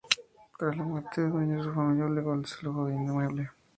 Tras la muerte de dueño, su familia obligó el desalojo del inmueble.